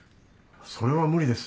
それは無理です。